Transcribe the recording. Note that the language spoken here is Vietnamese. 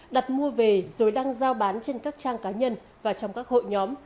đặt mua về rồi đang giao bán trên các trang cá nhân và trong các hội nhóm